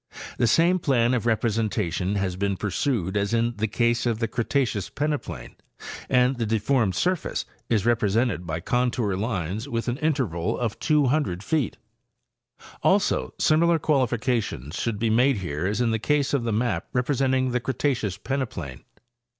The same plan of representation has been pursued as in the case of the Cretaceous peneplain, and the deformed surface is represented by contour lines with an interval of 200 feet; also similar qualifications should be made here as in the case of the map representing the Cretaceous peneplain.